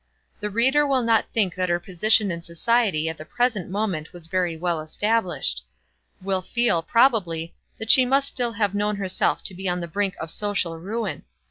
The reader will not think that her position in society at the present moment was very well established, will feel, probably, that she must still have known herself to be on the brink of social ruin.